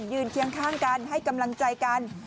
เคียงข้างกันให้กำลังใจกัน